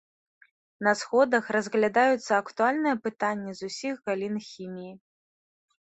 На сходах разглядаюцца актуальныя пытанні з усіх галін хіміі.